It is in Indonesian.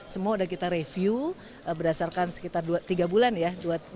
semua sudah kita review berdasarkan sekitar tiga bulan ya